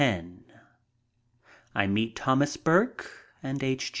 8 X I MEET THOMAS BURKE AND H.